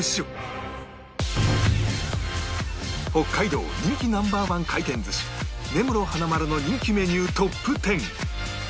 北海道人気 Ｎｏ．１ 回転寿司根室花まるの人気メニュートップ１０